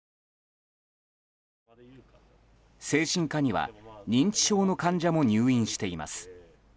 精神科には認知症の患者も入院しています。